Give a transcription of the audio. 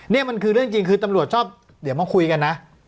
นี่มันคือเรื่องจริงคือตำรวจชอบเดี๋ยวมาคุยกันนะ